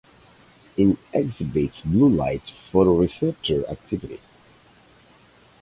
It exhibits blue light photoreceptor activity.